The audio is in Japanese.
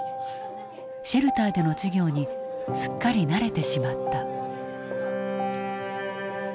シェルターでの授業にすっかり慣れてしまった。